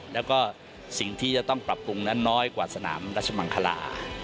แล้วก็สิ่งที่จะต้องปรับปรุงนั้นน้อยกว่าสนามรัชมังคลา